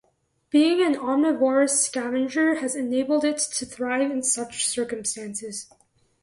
Being an omnivorous scavenger has enabled it to thrive in such circumstances.